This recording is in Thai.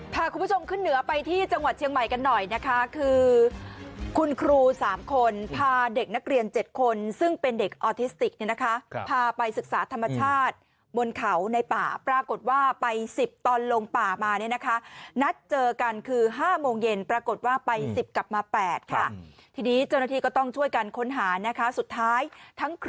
พาคุณผู้ชมขึ้นเหนือไปที่จังหวัดเชียงใหม่กันหน่อยนะคะคือคุณครู๓คนพาเด็กนักเรียน๗คนซึ่งเป็นเด็กออทิสติกเนี่ยนะคะพาไปศึกษาธรรมชาติบนเขาในป่าปรากฏว่าไป๑๐ตอนลงป่ามาเนี่ยนะคะนัดเจอกันคือ๕โมงเย็นปรากฏว่าไป๑๐กลับมา๘ค่ะทีนี้เจ้าหน้าที่ก็ต้องช่วยกันค้นหานะคะสุดท้ายทั้งคร